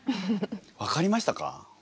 分かりましたか？